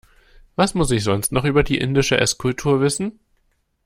Was muss ich sonst noch über die indische Esskultur wissen?